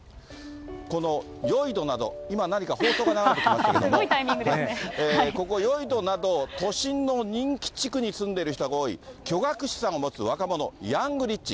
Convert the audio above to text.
このヨイドなど、今、何か放送が流れてきましたけれども、ここ、ヨイドなど、都心の人気地区に住んでる人が多い、巨額資産を持つ若者、ヤングリッチ。